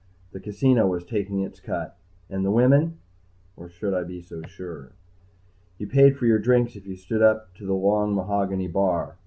The casino was taking its cut. And the women or should I be so sure? You paid for your drinks if you stood up to the long mahogany bar.